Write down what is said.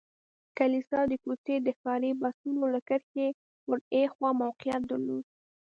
کلیسا د کوڅې د ښاري بسونو له کرښې ور هاخوا موقعیت درلود.